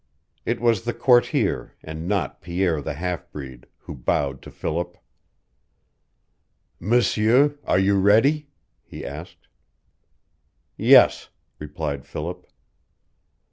It was the courtier, and not Pierre the half breed, who bowed to Philip. "M'sieur, are you ready?" he asked. "Yes," replied Philip.